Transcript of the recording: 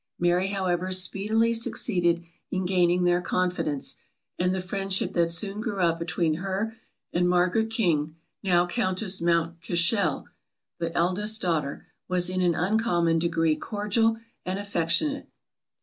Mary however speedily succeeded in gaining their confidence, and the friendship that soon grew up between her and Margaret King, now countess Mount Cashel, the eldest daughter, was in an uncommon degree cordial and affectionate.